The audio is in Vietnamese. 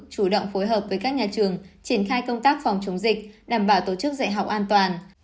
chủ động phối hợp với các nhà trường triển khai công tác phòng chống dịch đảm bảo tổ chức dạy học an toàn